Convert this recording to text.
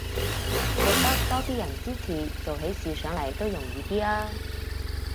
獲得多啲人支持，做起事上來都容易啲吖